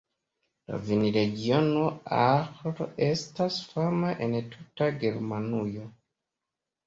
La vinregiono Ahr estas fama en tuta Germanujo.